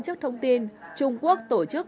trước thông tin trung quốc tổ chức